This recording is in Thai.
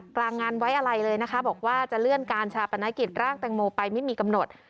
กลางงานไว้อะไรเลยนะคะบอกว่าจะเลื่อนการชาปนกิจร่างแตงโมไปไม่มีกำหนด